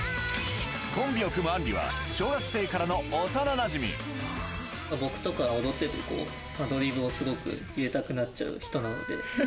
コンビを組むアンリは、小学生か僕とか踊っててこう、アドリブをすごく入れたくなっちゃう人なので。